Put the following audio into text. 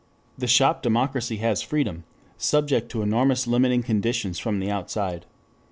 The shop democracy has freedom, subject to enormous limiting conditions from the outside.